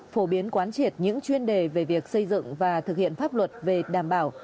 phổ biến quán triệt những chuyên đề về việc xây dựng và thực hiện pháp luật về đảm bảo